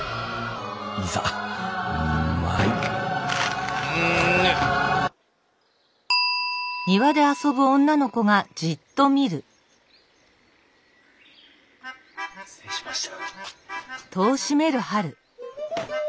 いざ参る失礼しました。